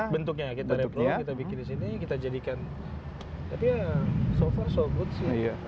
bentuknya kita reproy kita bikin di sini kita jadikan tapi ya so far so good sih